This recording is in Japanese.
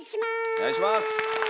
お願いします！